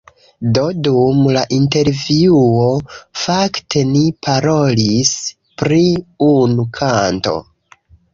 Do, dum la intervjuo; fakte ni parolis pri unu kanto